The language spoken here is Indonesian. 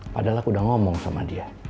padahal aku udah ngomong sama dia